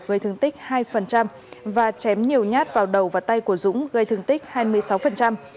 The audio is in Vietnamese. gây thương tích hai và chém nhiều nhát vào đầu và tay của dũng gây thương tích hai mươi sáu